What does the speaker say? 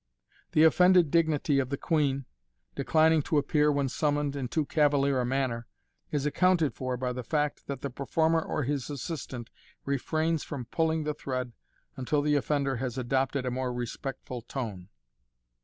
The offended dignity of the queen, dec) in MODERN MAGIC. 129 ing to appear when summoned in too cavalier a manner, is accounted for by the fact that the performer or his assistant refrains from pull ing the thread until the offender has adopted a more respectful tone.